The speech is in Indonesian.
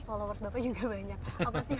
followers bapak juga banyak